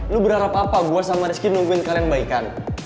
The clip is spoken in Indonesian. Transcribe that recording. lo berharap apa gue sama rizky nungguin kalian baikan